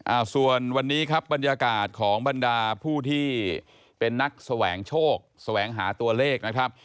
อ่าส่วนวันนี้ครับบรรยากาศของบรรดาผู้ที่เป็นนักแสวงโชคแสวงหาตัวเลขนะครับ